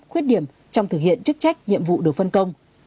khuyết điểm trong thực hiện chức trách nhiệm vụ được phân công